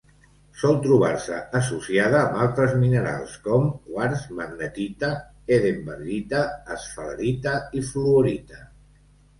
Sol trobar-se associada amb altres minerals com: quars, magnetita, hedenbergita, esfalerita i fluorita.